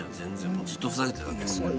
ずっとふざけてるだけですよ。